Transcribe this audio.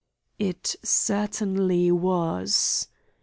It certainly was.